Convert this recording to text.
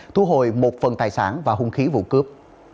thu hồi một phần tài sản và hung khí vụ cướp